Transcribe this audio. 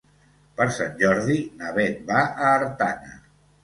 Per Sant Jordi na Beth va a Artana.